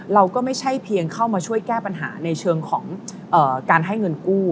เราก็ไม่ใช่เพียงเข้ามาช่วยแก้ปัญหาในเชิงของการให้เงินกู้